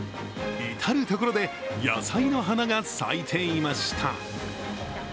至る所で野菜の花が咲いていました。